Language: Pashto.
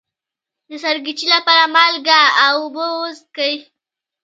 د سرګیچي لپاره مالګه او اوبه وڅښئ